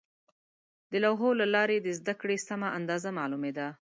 د لوحو له لارې د زده کړې سمه اندازه معلومېده.